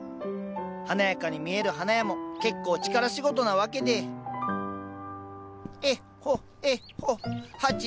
華やかに見える花屋も結構力仕事なワケでえっほえっほ鉢植えありすぎだよ。